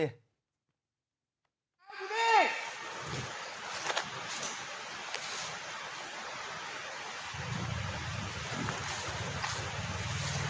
เฮ้ยทุกคน